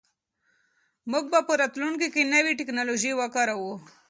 موږ به په راتلونکي کې نوې ټیکنالوژي وکاروو.